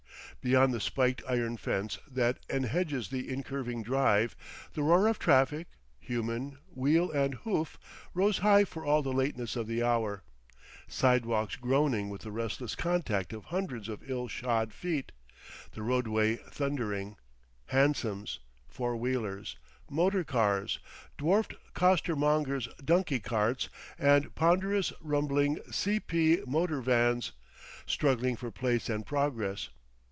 Beyond the spiked iron fence that enhedges the incurving drive, the roar of traffic, human, wheel and hoof, rose high for all the lateness of the hour: sidewalks groaning with the restless contact of hundreds of ill shod feet; the roadway thundering hansoms, four wheelers, motor cars, dwarfed coster mongers' donkey carts and ponderous, rumbling, C. P. motor vans, struggling for place and progress.